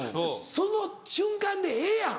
その瞬間でええやん。